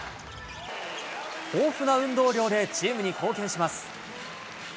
豊富な運動量でチームに貢献します。